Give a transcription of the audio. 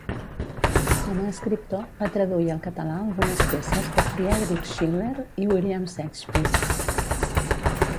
Com a escriptor va traduir al català algunes peces de Friedrich Schiller i William Shakespeare.